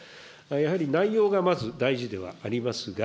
やはり内容がまず大事ではありますが、